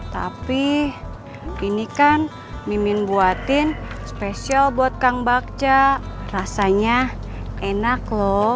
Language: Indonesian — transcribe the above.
tapi ini kan mimin buatin spesial buat kang bakca rasanya enak loh